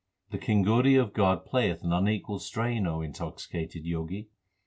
The kinguri of God playeth an unequalled strain, intoxicated Jogi.